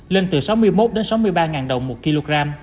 lên từ sáu mươi một đồng đến sáu mươi ba đồng một kg